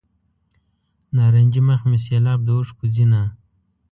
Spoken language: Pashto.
نارنجي مخ مې سیلاب د اوښکو ځینه.